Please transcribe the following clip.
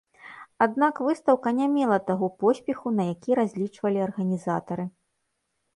Аднак выстаўка не мела таго поспеху, на які разлічвалі арганізатары.